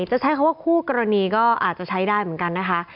จะใช้คำว่าคู่กรณีก็อาจจะใช้ได้เหมือนกันนะคะ